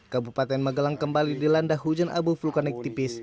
kabupaten magelang kembali dilanda hujan abu vulkanik tipis